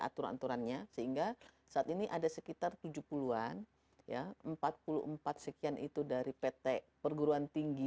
aturan aturannya sehingga saat ini ada sekitar tujuh puluh an ya empat puluh empat sekian itu dari pt perguruan tinggi